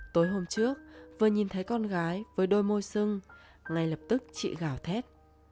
tối hôm trước vừa nhìn thấy con gái với đôi môi sưng ngay lập tức chị gào thét